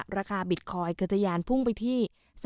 บิตคอยน์กระทะยานพุ่งไปที่